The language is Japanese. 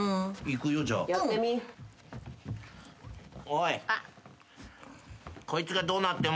おい。